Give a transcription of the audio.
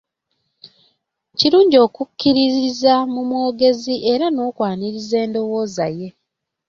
Kirungi okukkiririza mu mwogezi era n'okwaniriza endowooza ye.